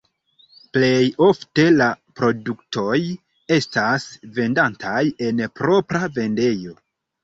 Plej ofte la produktoj estas vendataj en propra vendejo.